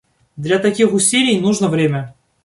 Для таких усилий нужно время.